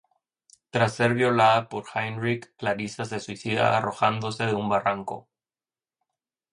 Tras ser violada por Heinrich, Clarissa se suicida arrojándose de un barranco.